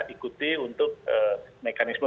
ikuti untuk mekanisme